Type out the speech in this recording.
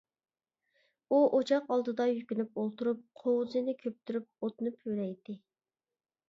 ئۇ ئوچاق ئالدىدا يۈكۈنۈپ ئولتۇرۇپ، قوۋۇزىنى كۆپتۈرۈپ ئوتنى پۈۋلەيتتى.